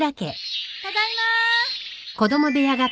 ただいま。